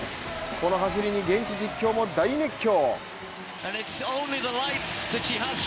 この走りに現地実況も大熱狂。